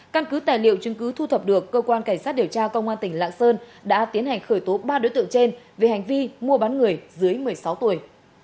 căn cứ tài liệu chứng cứ thu thập được cơ quan cảnh sát điều tra công an tỉnh lạng sơn đã tiến hành khởi tố ba đối tượng trên về hành vi mua bán người dưới một mươi sáu tuổi